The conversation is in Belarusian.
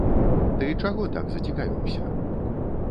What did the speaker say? Ты чаго так зацікавіўся?